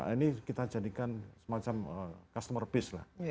ini kita jadikan semacam customer base lah